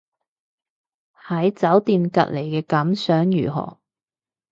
喺酒店隔離嘅感想如何